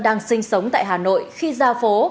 đang sinh sống tại hà nội khi ra phố